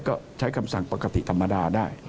ก็ใช้คำสั่งปกติธรรมดาได้